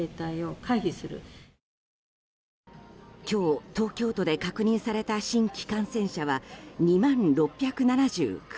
今日、東京都で確認された新規感染者は２万６７９人。